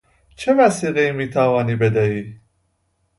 چه وثیقهای میتوانی بدهی؟